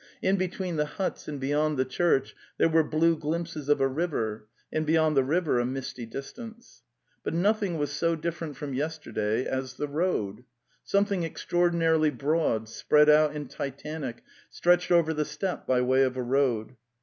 In between the huts and beyond the church there were blue glimpses of a river, and beyond the river a misty distance. But nothing was so different from yesterday as the road. Something extraordinarily broad, spread out and titanic, stretched over the steppe by way of aroad.